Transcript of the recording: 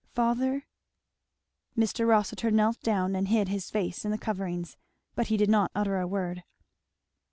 Father? " Mr. Rossitur knelt down and hid his face in the coverings; but he did not utter a word.